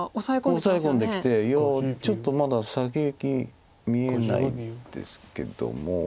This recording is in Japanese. オサエ込んできていやちょっとまだ先行き見えないですけども。